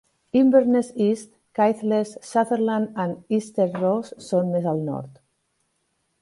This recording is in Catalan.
Inverness East, Caithness, Sutherland i Easter Ross són més al nord.